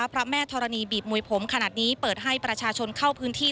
พระแม่ธรณีบีบมวยผมขนาดนี้เปิดให้ประชาชนเข้าพื้นที่